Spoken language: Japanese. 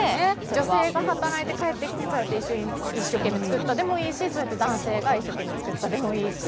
女性が働いて帰ってきて一生懸命作ったでもいいですし男性が一生懸命作ってもいいですし。